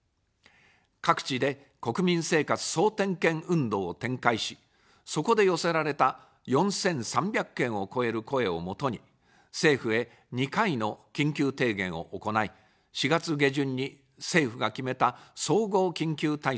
各地で国民生活総点検運動を展開し、そこで寄せられた４３００件を超える声をもとに、政府へ２回の緊急提言を行い、４月下旬に政府が決めた総合緊急対策に反映させました。